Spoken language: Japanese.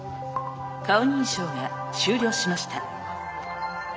顔認証が終了しました。